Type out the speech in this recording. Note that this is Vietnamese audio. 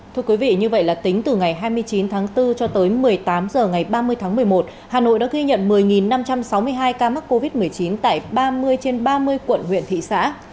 thưa quý vị như vậy là tính từ ngày hai mươi chín tháng bốn cho tới một mươi tám h ngày ba mươi tháng một mươi một hà nội đã ghi nhận một mươi năm trăm sáu mươi hai ca mắc covid một mươi chín tại ba mươi trên ba mươi quận huyện thị xã